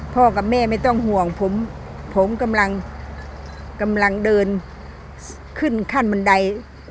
กับแม่ไม่ต้องห่วงผมผมกำลังเดินขึ้นขั้นบันได